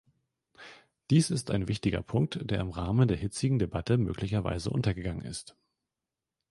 Dies ist ein wichtiger Punkt, der im Rahmen der hitzigen Debatte möglicherweise untergegangen ist.